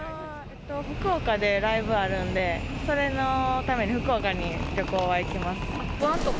福岡でライブあるんで、それのために、福岡に旅行は行きます。